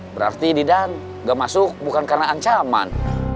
berarti didan gak masuk bukan karena ancaman